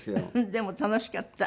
でも楽しかった。